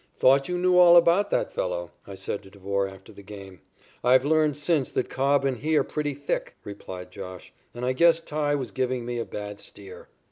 "Thought you knew all about that fellow," I said to Devore after the game. "I've learned since that Cobb and he are pretty thick," replied "Josh," "and I guess 'Ty' was giving me a bad steer."